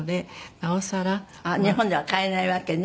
日本では買えないわけね。